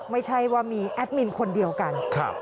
ไม่ใช่ว่ามีแอดมินคนเดียวกัน